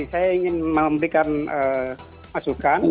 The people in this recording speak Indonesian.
saya ingin memberikan masukan